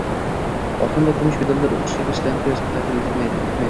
Oltin va kumush medallar oʻqishga kirishda imtiyoz taqdim etmaydi!